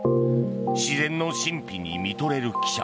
自然の神秘に見とれる記者。